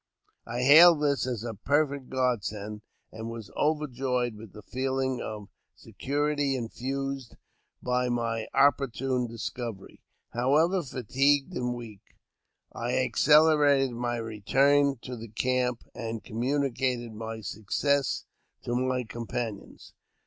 I hailed this as a perfect Godsend, and was overjoyed with the feeling of security infused by my opportune discovery. However, fatigued and weak, I accelerated my return to the camp, and communicated my success to my companions.